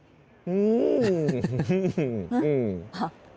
อืม